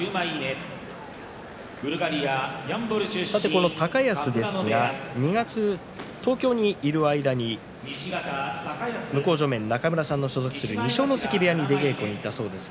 この高安２月、東京にいる間に向正面、中村さんの所属する二所ノ関部屋に出稽古に行ったそうです。